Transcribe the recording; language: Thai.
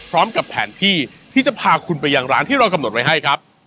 พร้อมกับแผนที่ที่จะพาคุณไปยังร้านที่เรากำหนดไว้ให้ครับ